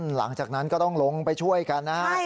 หลังจากนั้นก็ต้องลงไปช่วยกันนะฮะ